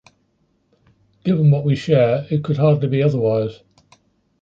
Given what we share, it could hardly be otherwise.